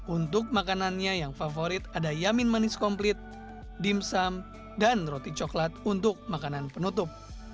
untuk makanannya yang favorit ada yamin manis komplit dimsum dan roti coklat untuk makanan penutup